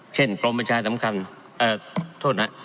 เช่นกรมประชาสำคัญเอ่อโทษนะ